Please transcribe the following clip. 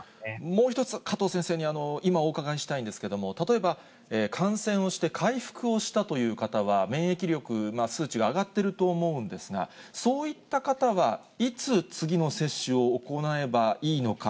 もう一つ、加藤先生に今お伺いしたいんですけれども、例えば感染をして回復をしたという方は、免疫力、数値が上がってると思うんですが、そういった方は、いつ次の接種を行えばいいのか。